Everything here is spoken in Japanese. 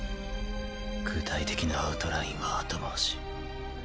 具体的なアウトラインは後回し。